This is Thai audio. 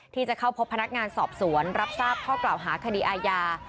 ที่จะเข้าพบพนักงานสอบสวนรับทราบข้อกล่าวหาคดีอาญา